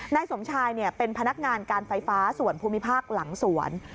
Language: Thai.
นายสมชายเป็นพนักงานการไฟฟ้าส่วนภูมิภาคหลังสวน